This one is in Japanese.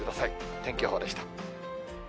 天気予報でした。